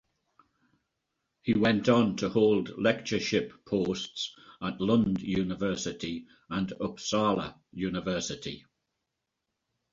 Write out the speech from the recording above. He went on to hold lectureship posts at Lund University and Uppsala University.